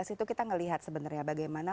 itu kita ngelihat sebenarnya bagaimana